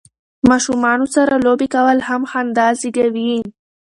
ماشومانو سره لوبې کول هم خندا زیږوي.